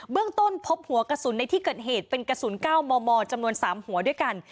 เรื่องต้นพบหัวกระสุนในที่เกิดเหตุเป็นกระสุน๙มมจำนวน๓หัวด้วยกัน